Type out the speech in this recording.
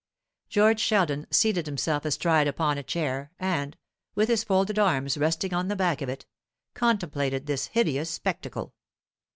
George Sheldon seated himself astride upon a chair, and, with his folded arms resting on the back of it, contemplated this hideous spectacle.